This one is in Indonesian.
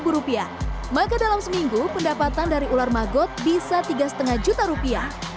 sepuluh rupiah maka dalam seminggu pendapatan dari ular magot bisa tiga setengah juta rupiah